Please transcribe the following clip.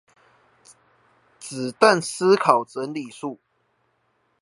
子彈思考整理術